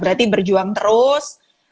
berarti berjuang terus